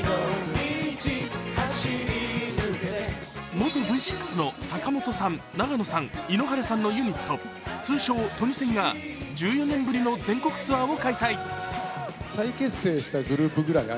元Ｖ６の坂本さん、長野さん、井ノ原さんのユニット通称、トニセンが１４年ぶりの全国ツアーを開催。